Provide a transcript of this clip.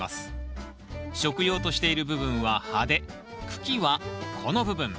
食用としている部分は葉で茎はこの部分。